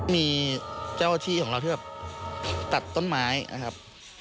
มีเจ้าที่ของเราที่แบบตัดต้นไม้นะครับ